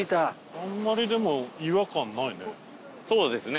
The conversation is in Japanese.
あんまりでも岩感ないね。